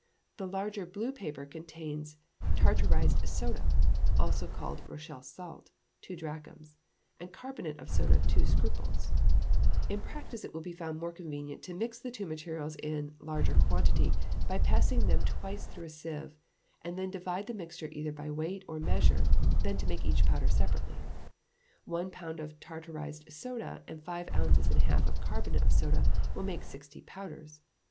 The larger blue paper contains tartarized soda (also called Rochelle salt) two drachms, and carbonate of soda two scruples; in practice it will he found more convenient to mix the two materials in larger quantity by passing them twice through a sieve, and then divide the mixture either by weight or measure, than to make each powder separately. One pound of tartarized soda, and five ounces and a half of carbonate of soda, will make sixty powders.